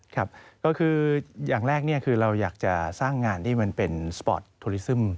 ครับก็คืออย่างแรกคือเราอยากจะสร้างงานที่มันเป็นสปอร์ตโทรลิซึม